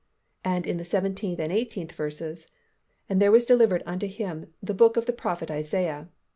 And in the seventeenth and eighteenth verses, "And there was delivered unto Him the book of the prophet Isaiah.